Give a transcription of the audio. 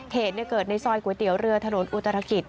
เหตุเกิดในซอยก๋วยเตี๋ยวเรือถนนอุตรกิจ